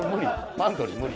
パントリー無理？